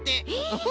フフ